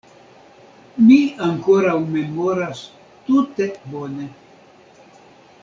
Mi ankoraŭ memoras tute bone.